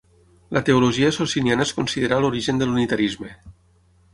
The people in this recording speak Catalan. La teologia sociniana es considera l'origen de l'unitarisme.